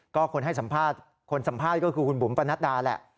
คนสัมภาษณ์ก็คือคุณบุ๋มปนัสดาแหละ